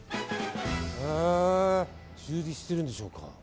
へー、充実してるんでしょうか。